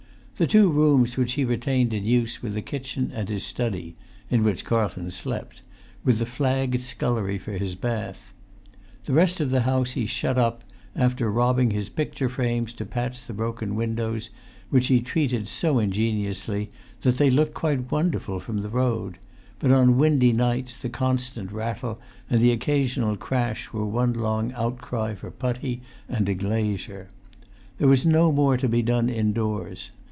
The two rooms which he retained in use were the kitchen and his study (in which Carlton slept), with the flagged scullery for his bath. The rest of the house he shut up, after robbing his picture frames to patch the broken windows, which he treated so ingeniously that they looked quite wonderful from the road; but on windy nights the constant rattle and the occasional crash were one long outcry for putty and a glazier. There was no more to be done indoors.